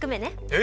え！